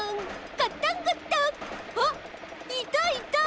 あっいたいた！